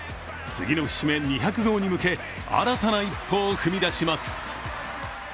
次の節目２００号に向け新たな一歩を踏み出します。